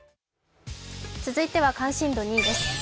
続いては関心度２位です。